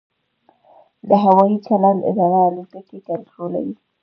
د هوايي چلند اداره الوتکې کنټرولوي؟